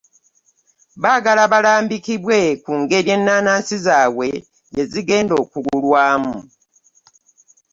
Baagala balambikibwe ku ngeri ennaanasi zaabwe gye zigenda okugulwamu